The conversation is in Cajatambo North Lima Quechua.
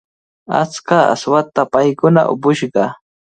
Achka aswata paykuna upushqa.